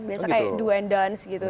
biasanya kayak do and dance gitu